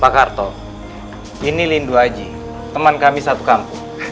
pak kartol ini lindu haji teman kami satu kampung